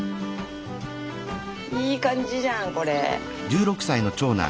いい感じじゃんこれ。